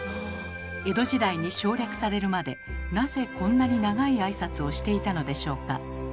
江戸時代に省略されるまでなぜこんなに長い挨拶をしていたのでしょうか？